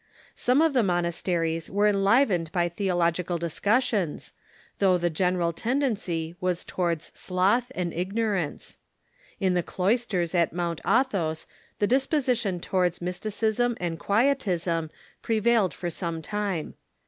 Some of the monasteries were enlivened by theological discussions, though the general tendency was towards sloth and ignorance. In the cloisters IGO THE MEDIAEVAL CHUECH on Mt. Athos the disposition towards mysticism and quietism prevailed for some time.